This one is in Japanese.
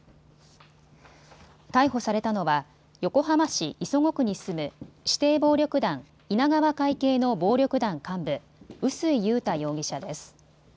逮捕されたのは横浜市磯子区に住む指定暴力団、稲川会系の暴力団幹部、臼井裕太容疑者です。